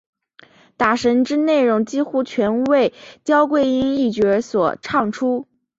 打神之内容几乎全为焦桂英一角所唱出。